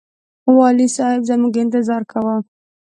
والي صاحب زموږ انتظار کاوه.